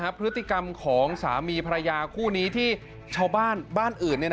พฤติกรรมของสามีภรรยาคู่นี้ที่ชาวบ้านบ้านอื่น